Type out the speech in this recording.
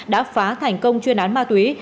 đã phá thành công chuyên án ma túy